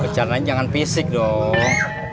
jangan jangan fisik dong